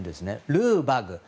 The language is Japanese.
ルー・バグ。